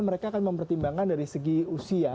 mereka akan mempertimbangkan dari segi usia